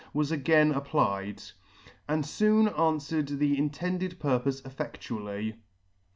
was again applied, and foon anfwered the intended purpofe effectually.